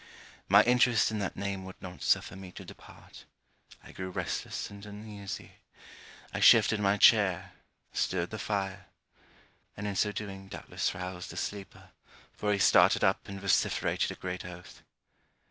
My interest in that name would not suffer me to depart. I grew restless and uneasy, I shifted my chair, stirred the fire; and in so doing doubtless roused the sleeper, for he started up and vociferated a great oath.